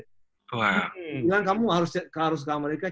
dia bilang kamu harus ke amerika